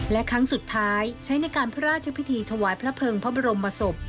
และครั้งสุดท้ายใช้ในการพระราชพิธีถวายพระเพลิงพระบรมศพ